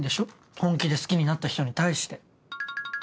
本気で好きになった人に対して。